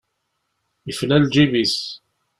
Yefla lǧib-is.